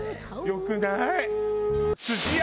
良くない！